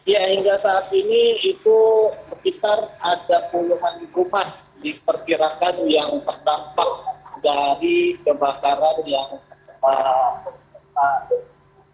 ya hingga saat ini itu sekitar ada puluhan rumah diperkirakan yang terdampak dari kebakaran yang menyebabkan